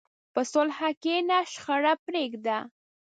په صلح کښېنه، شخړه پرېږده.